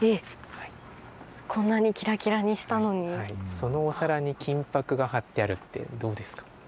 そのお皿に金箔がはってあるってどうですか？